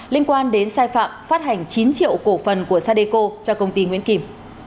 liên quan đến sai phạm phát hành chín triệu cổ phần của sadeco cho công ty nguyễn kim